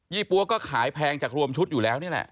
ี่ปั๊วก็ขายแพงจากรวมชุดอยู่แล้วนี่แหละ